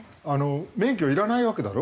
免許いらないわけだろ？